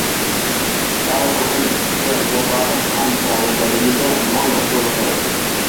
ئەر- خوتۇن ئىككىسى جاپالىق قان- تەرى بەدىلىگە مول ھوسۇلغا ئېرىشتى.